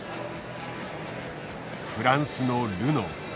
フランスのルノー。